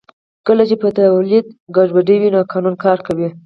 کله چې پر تولید ګډوډي وي نو قانون کار کوي